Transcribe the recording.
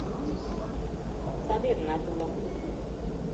Садернат уло.